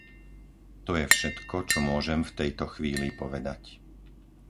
To je všetko, čo môžem v tejto chvíli povedať.